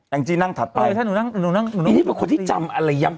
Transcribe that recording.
งจี้นั่งถัดไปถ้าหนูนั่งหนูนั่งหนูนี่เป็นคนที่จำอะไรย้ำ